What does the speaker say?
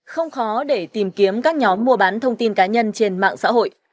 không khó để tìm kiếm các nhóm mua bán thông tin cá nhân trên mạng xã hội